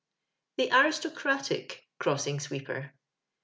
The "Abistochatic" Cbossino Sweepeb.